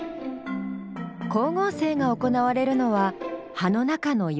光合成が行われるのは葉の中の葉緑体。